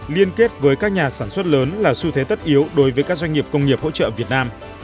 liên kết với các nhà sản xuất lớn là xu thế tất yếu đối với các doanh nghiệp công nghiệp hỗ trợ việt nam